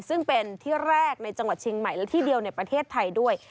ซึ่งเป็นที่แรกในจังหวัดเชียงใหม่และที่เดียวในประเทศไทยด้วย